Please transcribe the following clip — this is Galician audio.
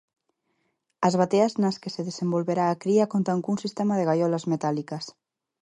As bateas nas que se desenvolverá a cría contan cun sistema de gaiolas metálicas.